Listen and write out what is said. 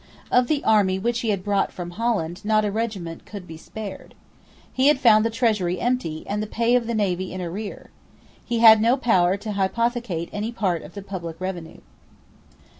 Of the army which he had brought from Holland not a regiment could be spared. He had found the treasury empty and the pay of the navy in arrear. He had no power to hypothecate any part of the public revenue.